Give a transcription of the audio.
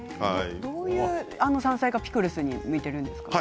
どういう山菜がピクルスに向いているんですか？